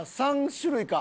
３種類か。